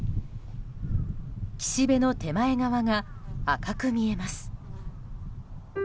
岸辺の手前側が赤く見えます。